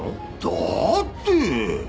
だってー。